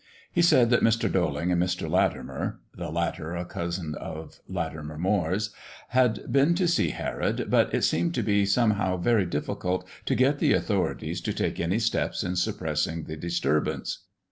He said that Mr. Doling and Mr. Latimer (the latter a cousin of Latimer Moire's) had been to see Herod, but it seemed to be somehow very difficult to get the authorities to take any steps in suppressing the disturbance.